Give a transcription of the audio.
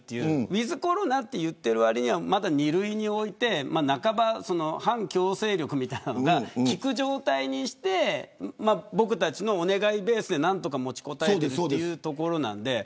ウィズコロナと言っている割にはまだ２類において半ば半強制力みたいなのが効く状態にして僕たちのお願いベースで何とか持ちこたえているというところなので。